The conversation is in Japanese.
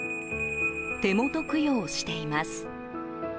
手元供養しています。